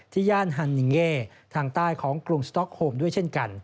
ย่านฮันนิงเย่ทางใต้ของกรุงสต๊อกโฮมด้วยเช่นกัน